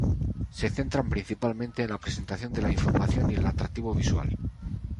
Se centran principalmente en la presentación de la información y el atractivo visual.